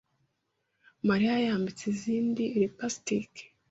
Mariya yambitse izindi lipstick.